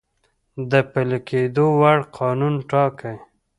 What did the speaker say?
د پلی کیدو وړ قانون ټاکی ،